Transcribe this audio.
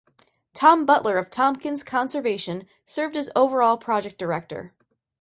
Tom Butler of Tompkins Conservation served as overall project director.